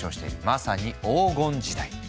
まさに黄金時代！